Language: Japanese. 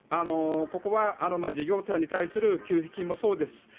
ここは事業者さんに対する給付金もそうです。